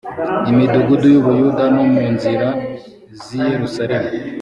midugudu y u buyuda no mu nzira z i yerusalemu